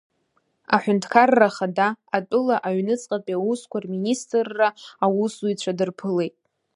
Аҳәынҭқарра Ахада атәыла аҩныҵҟатәи аусқәа Рминистрра аусзуҩцәа дырԥылеит.